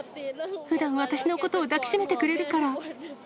ふだん、私のことを抱き締めてくれるから。